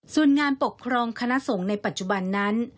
ส่วนงานปกครองคณะสงฆ์ในปัจจุบันนั้น